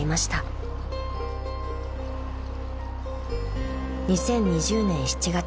［２０２０年７月］